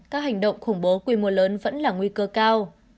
các hành động khủng bố quy mô lớn vẫn là nguy cơ cao